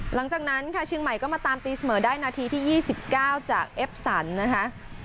หลังจากนั้นค่ะเชียงใหม่ก็มาตามตีเสมอได้นาทีที่๒๙จากเอฟสันนะคะ